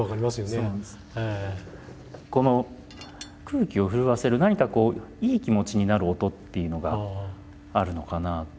この空気を震わせる何かこういい気持ちになる音っていうのがあるのかなと。